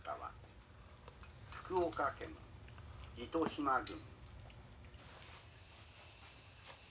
「福岡県糸島郡」。